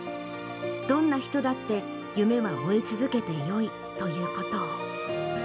どんな人だって夢は追い続けてよいということを。